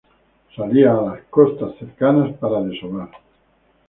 Salía a las costas cercanas para desovar.